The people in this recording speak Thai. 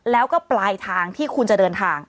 แล้วก็ปลายทางที่คุณจะเดินทาง